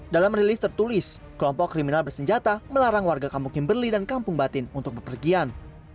dalam rilis tertulis kelompok kriminal bersenjata melarang warga kampung kimberli dan kampung batin untuk bepergian